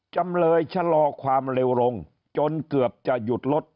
จำเลยชะลอความเร็วลงจนเกือบจะหยุดรถ